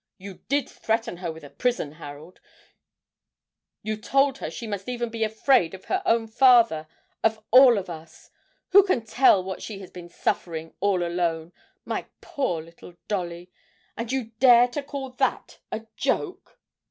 You did threaten her with a prison, Harold; you told her she must even be afraid of her own father of all of us.... Who can tell what she has been suffering, all alone, my poor little Dolly! And you dare to call that a joke!'